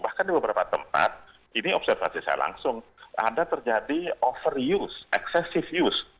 bahkan di beberapa tempat ini observasi saya langsung ada terjadi over use excessive use